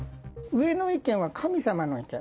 上の意見は神様の意見。